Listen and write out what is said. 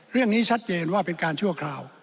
เรื่องนี้ชัดเจนว่าเป็นการชั่วคราว